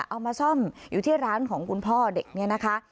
เอามาซ่อมอยู่ที่ร้านของคุณพ่อเด็กเนี่ยนะคะ